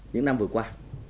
những năm vừa qua